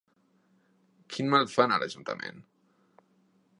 Quin mal fan a l'Ajuntament?